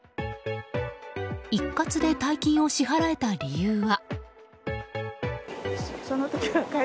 一括で大金を支払えた理由は。